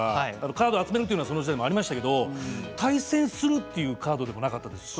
カードを集めるというのはその時代、ありましたけど対戦するというカードではなかったですし。